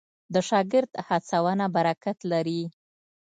د شاګرد هڅونه برکت لري.